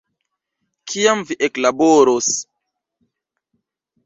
Kiam vi eklaboros?